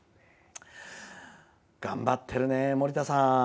頑張ってるね、もりたさん